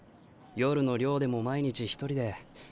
夜の寮でも毎日一人で。